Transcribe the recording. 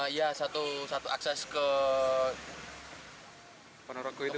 iya satu akses ke ponorogo itu